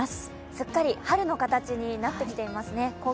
すっかり春の形になってきています。